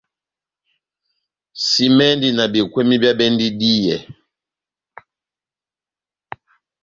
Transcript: Simɛndi na bekweni bia bendi díyɛ.